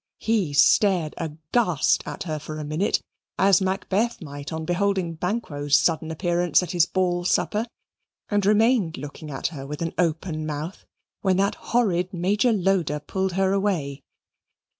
He stared aghast at her for a minute, as Macbeth might on beholding Banquo's sudden appearance at his ball supper, and remained looking at her with open mouth, when that horrid Major Loder pulled her away.